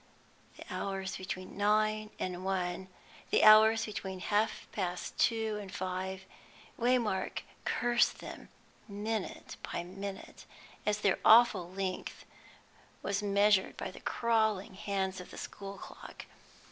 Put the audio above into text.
The hours between nine and one, the hours between half past two and five, Waymark cursed them minute by minute, as their awful length was measured by the crawling hands of the school clock.